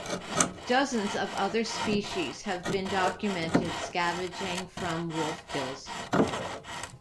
Dozens of other species have been documented scavenging from wolf kills.